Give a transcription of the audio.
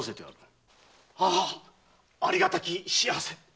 ははっありがたき幸せ。